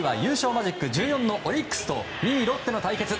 マジック１４のオリックスと２位、ロッテとの対決。